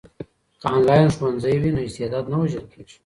که انلاین ښوونځی وي نو استعداد نه وژل کیږي.